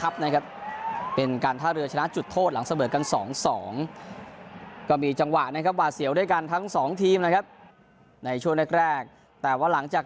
เบอร์ถาเรือชนะจุดโทษหลังเสมอกันสองสองก็มีจังหวะนะครับปะเสี่ยวด้วยกันทั้งสองทีมนะครับในช่วงแรกแรกแต่ว่าหลังจาก